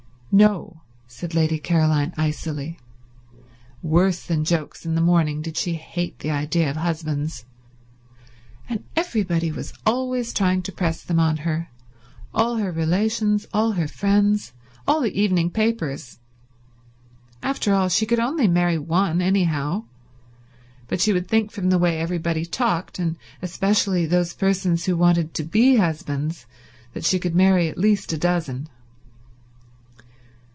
"No," said Lady Caroline icily. Worse than jokes in the morning did she hate the idea of husbands. And everybody was always trying to press them on her—all her relations, all her friends, all the evening papers. After all, she could only marry one, anyhow; but you would think from the way everybody talked, and especially those persons who wanted to be husbands, that she could marry at least a dozen.